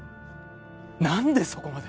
なんでそこまで。